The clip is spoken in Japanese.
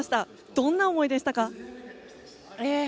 どんな思いでしたか？